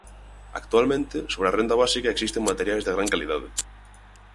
Actualmente, sobre a renda básica existen materiais de gran calidade.